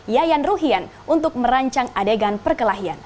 yayan ruhian untuk merancang adegan perkelahian